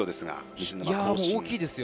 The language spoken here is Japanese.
大きいですよ。